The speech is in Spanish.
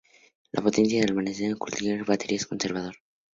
La potencia está almacenada en cualquier baterías o condensador.